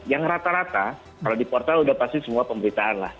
yang rata rata kalau di portal udah pasti semua pemberitaan lah